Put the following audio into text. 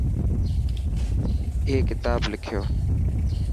ائي ڪتاب لکيو.